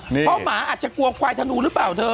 เพราะหมาอาจจะกลัวควายธนูหรือเปล่าเธอ